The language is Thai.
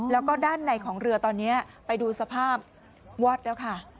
แล้วก็ด้านในของเรือตอนนี้ไปดูสภาพวอดแล้วค่ะ